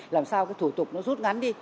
làm sao cái thủ tục nó rút ngắn đi